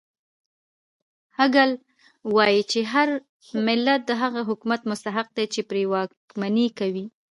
هګل وایي چې هر ملت د هغه حکومت مستحق دی چې پرې واکمني کوي.